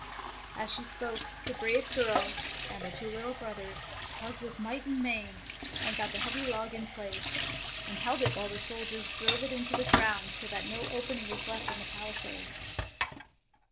As she spoke, the brave girl and the two little brothers tugged with might and main, and got the heavy log in place, and held it while the soldiers drove it into the ground, so that no opening was left in the pali sades.